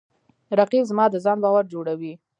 رقیب زما د ځان باور جوړوي